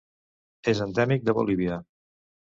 És endèmic de Bolívia.